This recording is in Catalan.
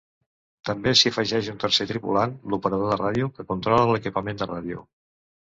També s'hi afegeix un tercer tripulant, l'operador de ràdio, que controla l'equipament de ràdio.